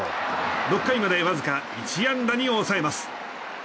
６回までわずか１安打に抑えます。